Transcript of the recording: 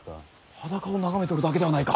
裸を眺めておるだけではないか！